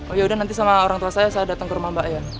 oh yaudah nanti sama orang tua saya saya datang ke rumah mbak ya